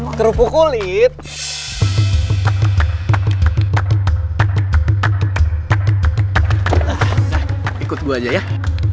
jangan kebanyakan iseng congregation of